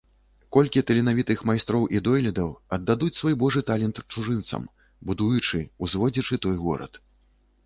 Колькі таленавітых майстроў і дойлідаў аддадуць свой Божы талент чужынцам, будуючы, узводзячы той горад!